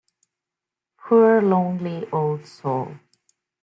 Poor, lonely old soul.